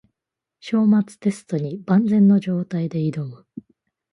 章末テストに万全の状態で挑む